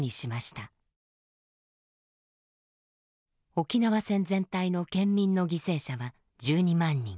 沖縄戦全体の県民の犠牲者は１２万人。